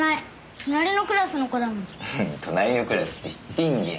隣のクラスって知ってんじゃん。